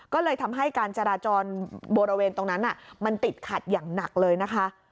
ก็เลยทำให้การจราจรบริเวณตรงนั้นมันติดขัดอย่างหนักเลยนะคะ